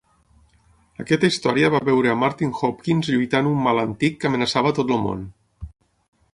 Aquesta història va veure a Martin Hopkins lluitant un mal antic que amenaçava tot el món.